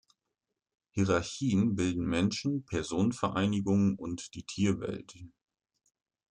Hierarchien bilden Menschen, Personenvereinigungen und die Tierwelt.